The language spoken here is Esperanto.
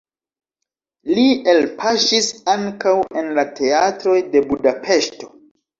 Li elpaŝis ankaŭ en la teatroj de Budapeŝto.